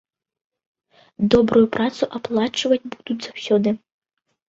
Добрую працу аплачваць будуць заўсёды.